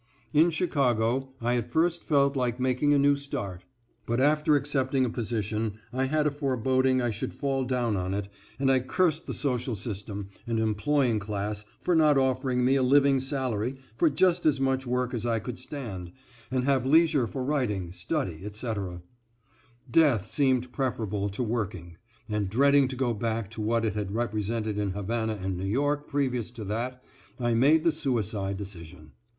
In Chicago I at first felt like making a new start, but after accepting a position, I had a foreboding I should fall down on it, and I cursed the social system and employing class for not offering me a living salary for just as much work as I could stand, and have leisure for writing, study, etc. Death seemed preferable to working, and, dreading to go back to what it had represented in Havana and New York previous to that, I made the suicide decision.